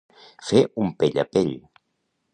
Fer un pell a pell.